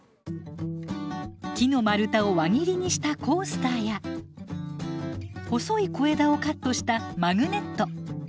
木の丸太を輪切りにしたコースターや細い小枝をカットしたマグネット。